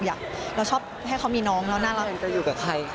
เราชอบให้เขามีน้องแล้วน่ารัก